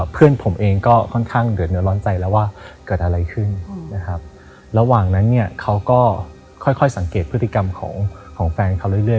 เพื่อนผมเองก็ค่อนข้างเดือดเนื้อร้อนใจแล้วว่าเกิดอะไรขึ้นนะครับระหว่างนั้นเนี่ยเขาก็ค่อยสังเกตพฤติกรรมของแฟนเขาเรื่อย